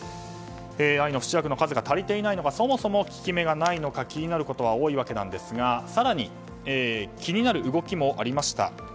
愛の不死薬の数が足りてないのかそもそも効き目がないのか気になることは多いですが更に気になる動きもありました。